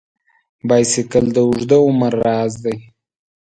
بایسکل د اوږده عمر راز دی.